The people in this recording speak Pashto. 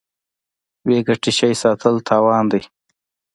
بې ګټې شی ساتل تاوان دی.